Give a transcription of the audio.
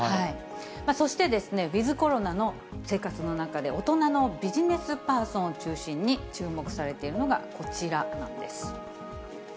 そして、ウィズコロナの生活の中で大人のビジネスパーソンを中心に注目されているのがこちらなんです。